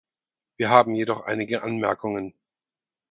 Wir haben jedoch einige Anmerkungen.